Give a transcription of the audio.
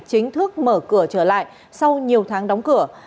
chính thức mở cửa trở lại sau nhiều tháng đóng cửa